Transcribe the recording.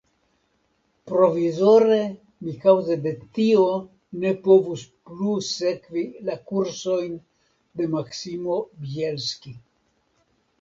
Provizore mi kaŭze de tio ne povus plu sekvi la kursojn de Maksimo Bjelski.